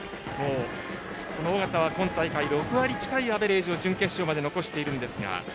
緒方は今大会６割近いアベレージを準決勝まで残しているんですが。